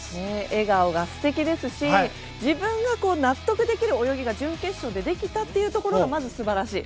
笑顔が素敵ですし自分が納得できる泳ぎが準決勝でできたというところがまず素晴らしい。